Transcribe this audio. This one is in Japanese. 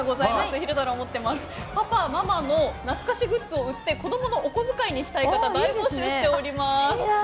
昼太郎が持っていますパパ、ママの懐かしグッズを売って子供のお小遣いにしたい方大募集しております。